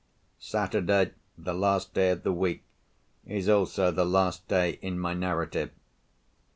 Saturday, the last day of the week, is also the last day in my narrative.